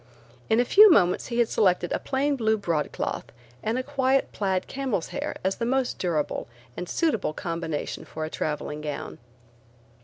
In a few moments he had selected a plain blue broadcloth and a quiet plaid camel's hair as the most durable and suitable combination for a traveling gown.